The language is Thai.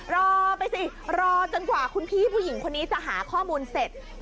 รอไปสิรอจนกว่าคุณพี่ผู้หญิงคนนี้จะหาข้อมูลเสร็จ